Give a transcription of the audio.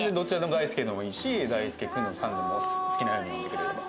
「大介」でもいいし「大介君」でも「さん」でも好きなように呼んでくれれば。